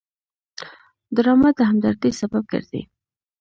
ډرامه د همدردۍ سبب ګرځي